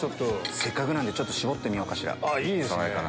せっかくなんで搾ってみようかしら。